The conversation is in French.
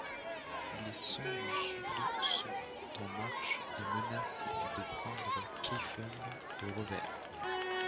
Les Song du sud sont en marche et menacent de prendre Keifeng de revers.